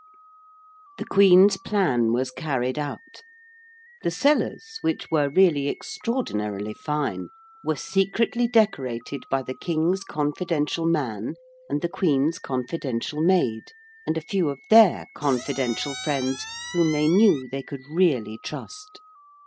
The Queen's plan was carried out. The cellars, which were really extraordinarily fine, were secretly decorated by the King's confidential man and the Queen's confidential maid and a few of their confidential friends whom they knew they could really trust.